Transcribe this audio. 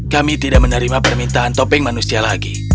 kami tidak menerima permintaan topeng manusia lagi